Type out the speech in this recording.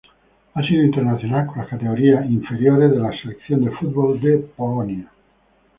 Ha sido internacional con las categorías inferiores de la selección de fútbol de Polonia.